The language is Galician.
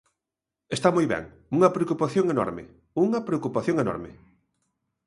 Está moi ben, unha preocupación enorme, unha preocupación enorme.